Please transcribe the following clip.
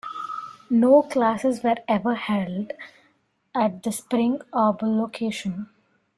No classes were ever held at the Spring Arbor location.